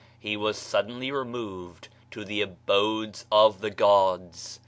He was suddenly removed to the abodes of the gods.